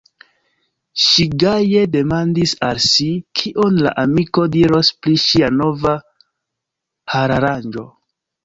Ŝi gaje demandis al si, kion la amiko diros pri ŝia nova hararanĝo.